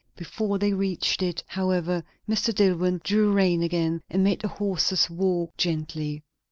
Before they reached it, however, Mr. Dillwyn drew rein again, and made the horses walk gently.